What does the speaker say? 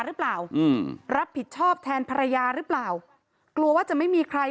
หรือเปล่าอืมรับผิดชอบแทนภรรยาหรือเปล่ากลัวว่าจะไม่มีใคร